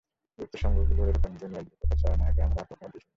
গুপ্তসংঘগুলোর এরকম দুনিয়াজুড়ে পদচারণা আগে আমরা কখনও দেখিনি।